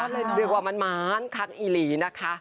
เรียกว่ามานคักอีหลีนะคะ